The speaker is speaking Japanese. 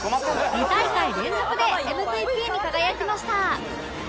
２大会連続で ＭＶＰ に輝きました